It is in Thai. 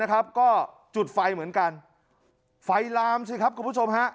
ก็จุดไฟเหมือนกันไฟลามสิครับคุณผู้ชมฮะ